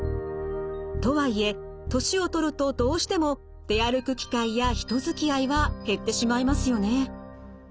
とはいえ年を取るとどうしても出歩く機会や人づきあいは減ってしまいますよね。